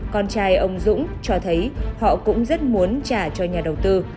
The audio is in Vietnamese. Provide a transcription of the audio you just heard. con trai ông dũng cho thấy họ cũng rất muốn trả cho nhà đầu tư